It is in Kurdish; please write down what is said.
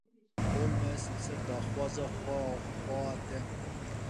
Holmes: Li ser daxwaza xweha te.